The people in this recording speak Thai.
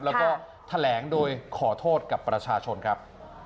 แล้วก็แถลงโดยขอโทษกับประชาชนครับ